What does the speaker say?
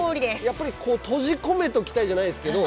やっぱりこう閉じ込めておきたいじゃないですけど